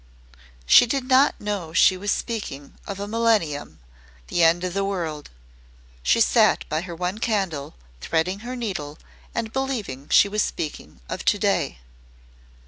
She did not know she was speaking of a millennium the end of the world. She sat by her one candle, threading her needle and believing she was speaking of To day.